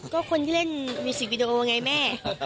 ก็คนที่เล่นมิวสิกวิดีโอไงแม่